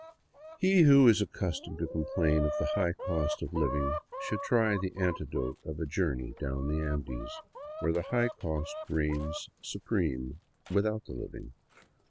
He who is accustomed to complain of the " high cost of living '' should try the antidote of a journey down the Andes, where the high cost reigns supreme, without the living.